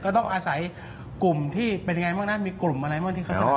ต้องอาศัยกลุ่มที่เป็นยังไงบ้างนะมีกลุ่มอะไรบ้างที่เขาเสนอ